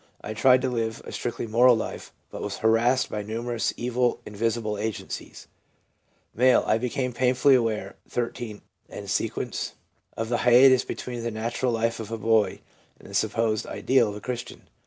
I tried to live a strictly moral life, but was harassed by numerous evil, invisible agencies/ M. c I became painfully aware (13 et seq.) of the hiatus between the natural life of a boy and the sup posed ideal of a Christian.